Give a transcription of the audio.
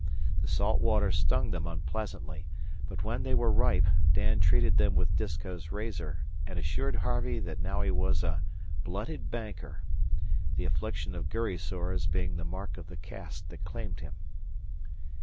The salt water stung them unpleasantly, but when they were ripe Dan treated them with Disko's razor, and assured Harvey that now he was a "blooded Banker"; the affliction of gurry sores being the mark of the caste that claimed him.